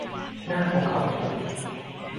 หน้าของเขาเป์นทุกข์